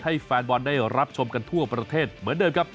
แฟนบอลได้รับชมกันทั่วประเทศเหมือนเดิมครับ